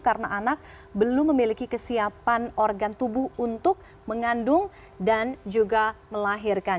karena anak belum memiliki kesiapan organ tubuh untuk mengandung dan juga melahirkan